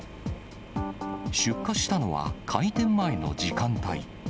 出火したのは開店前の時間帯。